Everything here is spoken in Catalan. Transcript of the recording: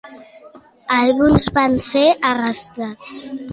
Alguns van ser arrestats.